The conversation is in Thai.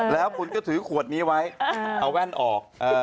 แล้วคุณก็ถือขวดนี้ไว้เอาแว่นออก